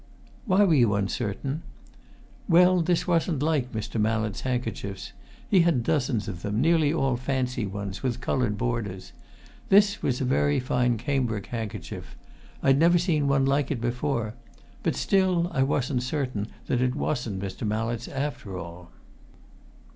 "Why were you uncertain?" "Well, this wasn't like Mr. Mallett's handkerchiefs. He has dozens of them, nearly all fancy ones, with coloured borders. This was a very fine cambric handkerchief I'd never seen one like it before. But, still, I wasn't certain that it wasn't Mr. Mallett's after all."